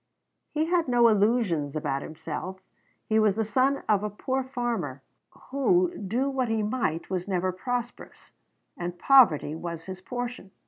He had no illusions about himself: he was the son of a poor farmer, who, do what he might, was never prosperous; and poverty was his portion.